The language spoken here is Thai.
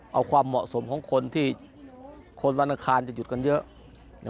เอาความเหมาะสมของคนที่คนวันอังคารจะหยุดกันเยอะ